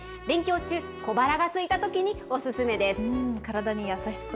勉強中、小腹がすいたときにお勧めです。